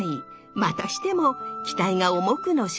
またしても期待が重くのしかかります。